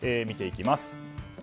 見ていきます。